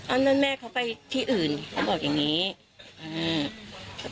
อันนั้นแม่เขาไปที่อื่นเขาบอกอย่างงี้อืม